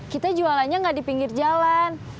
kita jualannya nggak di pinggir jalan